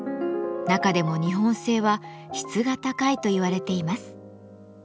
中でも日本製は質が高いといわれています。